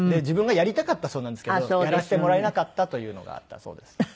自分がやりたかったそうなんですけどやらせてもらえなかったというのがあったそうです。